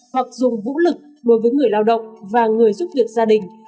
hoặc dùng vũ lực đối với người lao động và người giúp việc gia đình